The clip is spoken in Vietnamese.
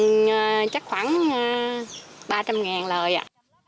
mình chắc khoảng ba trăm linh lời ạ